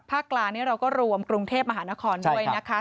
กลางนี้เราก็รวมกรุงเทพมหานครด้วยนะคะ